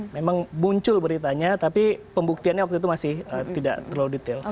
memang muncul beritanya tapi pembuktiannya waktu itu masih tidak terlalu detail